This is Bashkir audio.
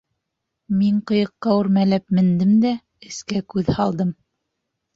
Мин ҡыйыҡҡа үрмәләп мендем дә эскә күҙ һалдым.